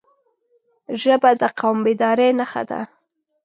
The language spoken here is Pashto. ژبه د قوم بیدارۍ نښه ده